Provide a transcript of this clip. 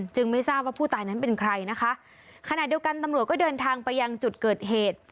ไม่ทราบว่าผู้ตายนั้นเป็นใครนะคะขณะเดียวกันตำรวจก็เดินทางไปยังจุดเกิดเหตุ